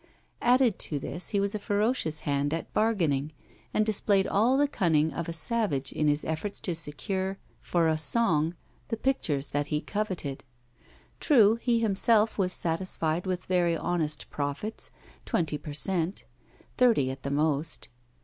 Added to this he was a ferocious hand at bargaining, and displayed all the cunning of a savage in his efforts to secure, for a song, the pictures that he coveted. True, he himself was satisfied with very honest profits, twenty per cent., thirty at the most.